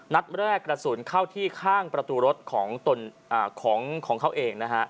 นัดแรกกระสุนเข้าที่ข้างประตูรถของเขาเองนะฮะ